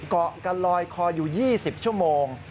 เกาะกันลอยคออยู่๒๐ชั่วโมง